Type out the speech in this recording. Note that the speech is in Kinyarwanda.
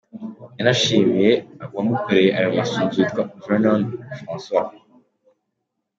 Yanashimiye uwamukoreye ayo masunzu witwa Vernon Francois.